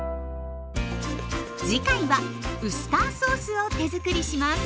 次回はウスターソースを手づくりします。